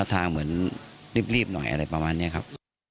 ทางเหมือนรีบหน่อยอะไรประมาณนี้ครับ